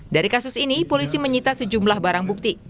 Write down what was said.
dari kasus ini polisi menyita sejumlah barang bukti